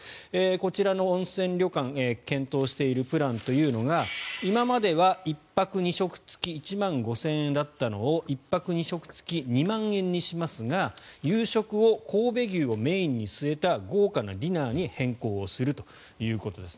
こちらの温泉旅館検討しているプランというのが今までは１泊２食付き１万５０００円だったのを１泊２食付き２万円にしますが夕食を神戸牛をメインに据えた豪華なディナーに変更をするということです。